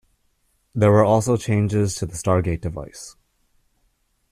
There were also changes to the Stargate device.